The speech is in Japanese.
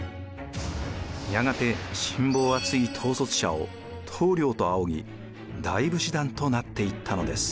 やがて信望厚い統率者を棟梁と仰ぎ大武士団となっていったのです。